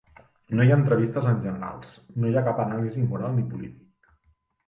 No hi ha entrevistes amb generals; no hi ha cap anàlisi moral ni polític.